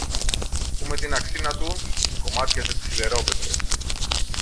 που με την αξίνα του κομμάτιαζε τις σιδερόπετρες